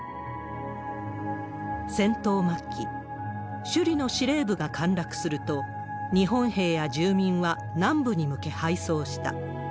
戦闘末期、首里の司令部が陥落すると、日本兵や住民は南部に向け敗走した。